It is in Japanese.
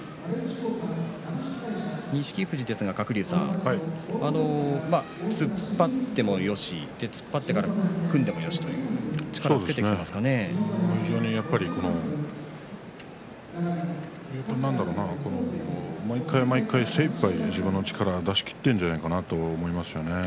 錦富士ですが、鶴竜さん突っ張ってもよし突っ張ってから組んでもよし非常に何だろうな毎回毎回精いっぱい自分の力を出し切っているんじゃないかなと思いますよね。